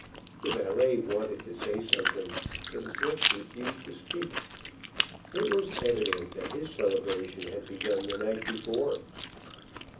The valet wanted to say something, but his lips refused to speak. It was evident that his celebration had begun the night before.